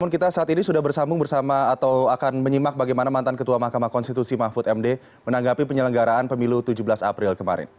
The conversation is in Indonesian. kita saat ini sudah bersambung bersama atau akan menyimak bagaimana mantan ketua mahkamah konstitusi mahfud md menanggapi penyelenggaraan pemilu tujuh belas april kemarin